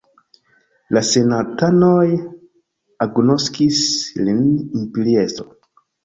La senatanoj agnoskis lin imperiestro.